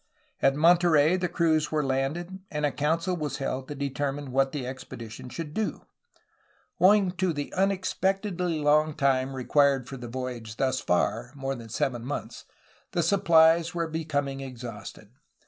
At Monterey the crews were landed and a council was held to determine what the expedition should do. Owing to the unexpectedly long time required for the voyage thus far (more than seven months), the supplies were becoming exhausted.